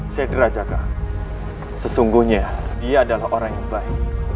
sedera jaka sesungguhnya dia adalah orang yang baik